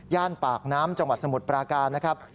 ปากน้ำจังหวัดสมุทรปราการนะครับ